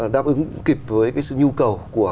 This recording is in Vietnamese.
đáp ứng kịp với cái sự nhu cầu của